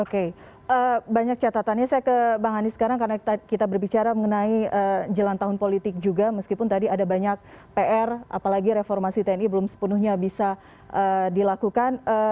oke banyak catatannya saya ke bang hanis sekarang karena kita berbicara mengenai jelang tahun politik juga meskipun tadi ada banyak pr apalagi reformasi tni belum sepenuhnya bisa dilakukan